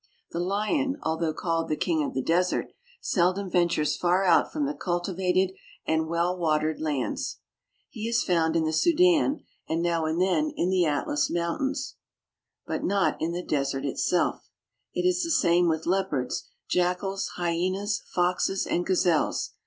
The lion, although called the king of the desert, seldom ventures far out from the cultivated and well watered lands. He is found in the Sudan, and now and then in the Atlas Mountains, but not 1 the desert itself. It is the same with leopards, jackals, kyenas, foxes, and gazelles.